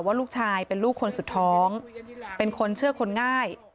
ว่าลูกชายเป็นลูกคนสุดท้องเป็นคนเชื่อคนง่าย